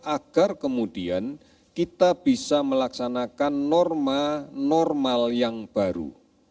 agar kemudian kita bisa melaksanakan norma normal yang baru